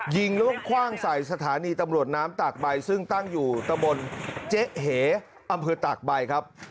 ยิงแล้วก็คว่างใส่สถานีตำรวจน้ำตากใบซึ่งตั้งอยู่ตะบนเจ๊เหอำเภอตากใบครับ